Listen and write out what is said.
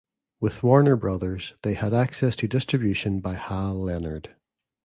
With Warner Brothers they had access to distribution by Hal Leonard.